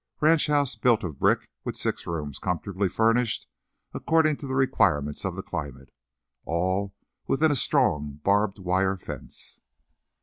Ranch house built of brick, with six rooms comfortably furnished according to the requirements of the climate. All within a strong barbed wire fence.